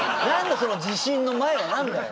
その自信の「前」は何だよ？